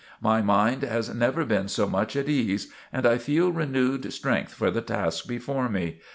My mind has never been so much at ease, and I feel renewed strength for the task before me.